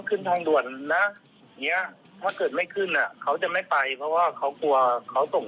เขาก็เจาะเลยให้ผมไปนิดหนึ่ง